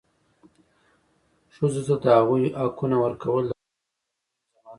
ښځو ته د هغوي حقونه ورکول د خوشحاله ټولنې ضمانت کوي.